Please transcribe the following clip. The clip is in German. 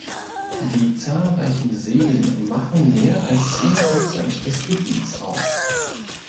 Die zahlreichen Seen machen mehr als zehn Prozent des Gebiets aus.